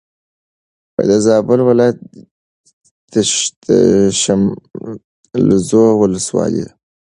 د زابل ولایت د شملزو ولسوالي